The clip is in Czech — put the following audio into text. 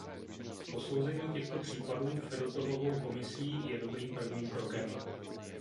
Posouzení těchto případů Fedotovovou komisí je dobrým prvním krokem.